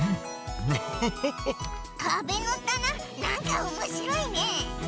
かべのたななんかおもしろいね！